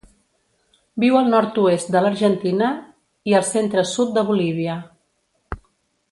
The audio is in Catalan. Viu al nord-oest de l'Argentina i el centre-sud de Bolívia.